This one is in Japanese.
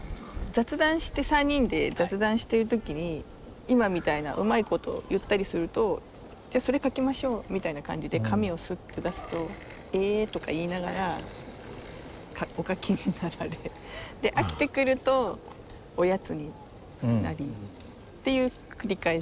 雑談して３人で雑談している時に今みたいなうまいこと言ったりすると「じゃそれ描きましょう」みたいな感じで紙をスッと出すと「え」とか言いながらお描きになられで飽きてくるとおやつになりっていう繰り返しで。